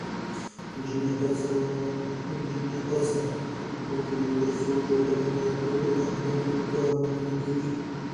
نجونې هڅه وکړي، ترڅو ټولنه د ګډو اهدافو لپاره متحدېږي.